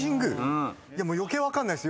余計分かんないです。